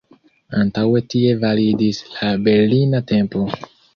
Antaŭe tie validis la Berlina tempo.